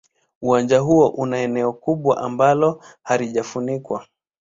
Uwanja huo una eneo kubwa ambalo halijafunikwa.